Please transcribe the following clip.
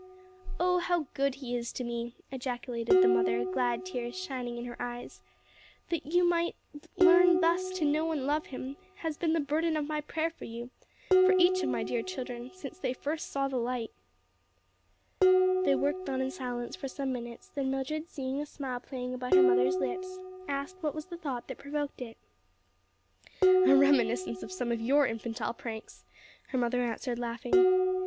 '" "Oh, how good He is to me!" ejaculated the mother, glad tears shining in her eyes: "that you might learn thus to know and love Him has been the burden of my prayer for you for each of my dear children since they first saw the light." They worked on in silence for some minutes, then Mildred seeing a smile playing about her mother's lips, asked what was the thought that provoked it. "A reminiscence of some of your infantile pranks," her mother answered laughing.